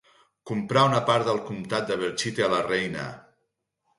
Comprà una part del comtat de Belchite a la reina.